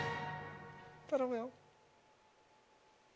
頼むよ。